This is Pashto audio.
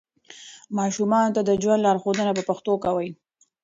ماشومانو ته د ژوند لارښوونه په پښتو کوئ.